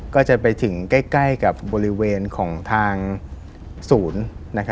ก็จะไปถึงใกล้กับบริเวณของทางศูนย์